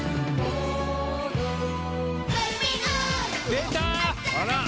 出た！